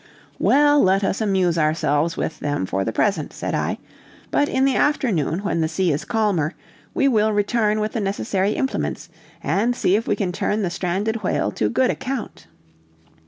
"Well, let us amuse ourselves with them for the present," said I, "but in the afternoon, when the sea is calmer, we will return with the necessary implements, and see if we can turn the stranded whale to good account."